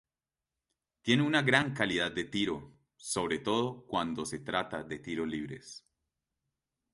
Tiene una gran calidad de tiro, sobre todo cuando se trata de tiros libres.